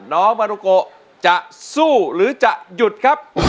น้องมารุโกจะสู้หรือจะหยุดครับ